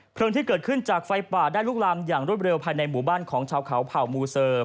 ที่เกิดขึ้นจากไฟป่าได้ลุกลามอย่างรวดเร็วภายในหมู่บ้านของชาวเขาเผ่ามูเซอร์